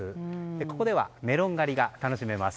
ここではメロン狩りが楽しめます。